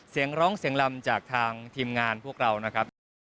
เสียงร้องเสียงลำจากทางทีมงานพวกเรานะครับ